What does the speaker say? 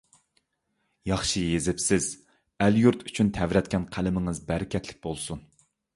ياخشى يېزىپسىز. ئەل-يۇرت ئۈچۈن تەۋرەتكەن قەلىمىڭىز بەرىكەتلىك بولسۇن!